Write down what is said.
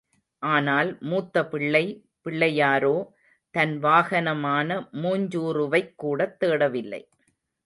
ஆனால் மூத்த பிள்ளை பிள்ளையாரோ தன் வாகனமான மூஞ்சூறுவைக் கூடத் தேடவில்லை.